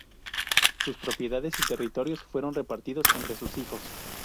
Sus propiedades y territorios fueron repartidos entre sus hijos.